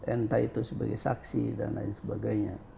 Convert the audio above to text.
entah itu sebagai saksi dan lain sebagainya